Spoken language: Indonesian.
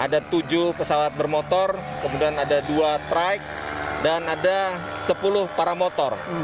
ada tujuh pesawat bermotor kemudian ada dua trike dan ada sepuluh paramotor